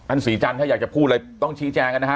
ศรีจันทร์ถ้าอยากจะพูดอะไรต้องชี้แจงกันนะฮะ